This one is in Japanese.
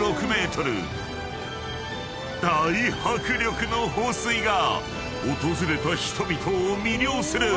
［大迫力の放水が訪れた人々を魅了する］